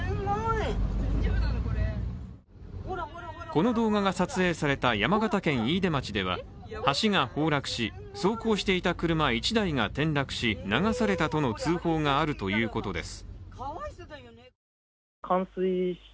この動画が撮影された山形県飯豊町では橋が崩落し、走行していた車１台が転落し流されたとの通報があるということです。